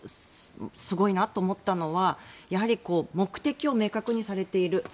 すごいなと思ったのはやはり、目的を明確にされている